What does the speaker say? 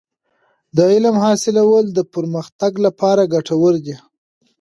د علم حاصلول د پرمختګ لپاره ګټور دی.